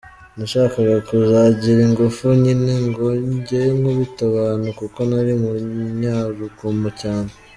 Nashakaga kuzagira ingufu nyine ngo njye nkubita abantu kuko nari umunyarugomo cyane.